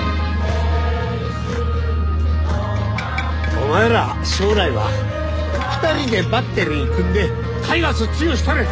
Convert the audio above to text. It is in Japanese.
お前ら将来は２人でバッテリー組んでタイガース強うしたれ！